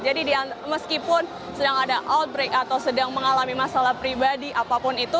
meskipun sedang ada outbreak atau sedang mengalami masalah pribadi apapun itu